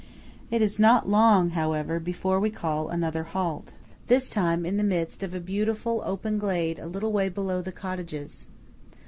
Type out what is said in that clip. It is not long, however, before we call another halt–this time in the midst of a beautiful open glade a little way below the cottages.